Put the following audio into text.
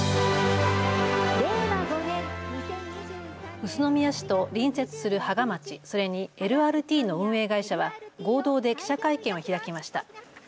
宇都宮市と隣接する芳賀町、それにＬＲＴの運営会社は合同で記者会見を開きました。